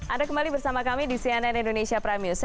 ada kembali bersama kami di cnn indonesia pranggese